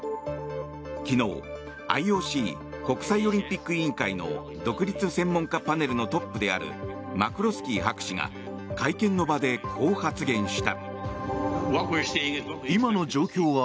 昨日、ＩＯＣ・国際オリンピック委員会の独立専門家パネルのトップであるマクロスキー博士が会見の場で、こう発言した。